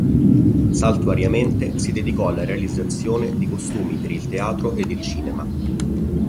Saltuariamente si dedicò alla realizzazione di costumi per il teatro ed il cinema.